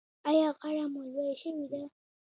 ایا غاړه مو لویه شوې ده؟